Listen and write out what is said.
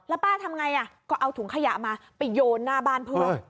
แล้วป้าทำไงอ่าก็เอาถุงขยะมาไปโยนหน้าบ้านเพิ่ม